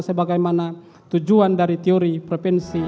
sebagaimana tujuan dari teori provinsi